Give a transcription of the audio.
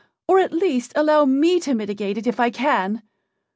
Or, at least, allow me to mitigate it if I can."